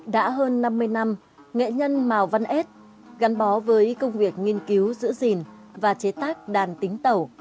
đã hơn năm mươi năm nghệ nhân mào văn ết gắn bó với công việc nghiên cứu giữ gìn và chế tác đàn tính tẩu